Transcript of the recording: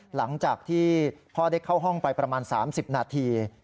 หลังจากที่พ่อได้เข้าห้องไปประมาณ๓๐นาที